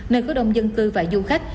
nơi có đông dân cư và du khách